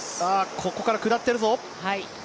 ここから下っているぞ。